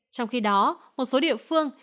trong khi đó một số địa phương